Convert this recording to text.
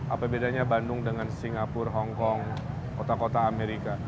apa bedanya bandung dengan singapura hongkong kota kota amerika